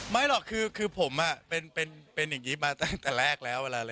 ไม่หรอกคือผมเป็นอย่างนี้มาตั้งแต่แรกแล้ว